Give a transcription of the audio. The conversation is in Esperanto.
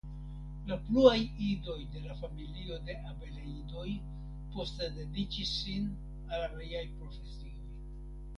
La pluaj idoj de la familio de Abeleidoj poste dediĉis sin al aliaj profesioj.